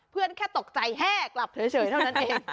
แค่ตกใจแห้กลับเฉยเท่านั้นเอง